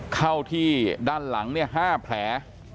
เข้าที่ด้านหลัง๕แผล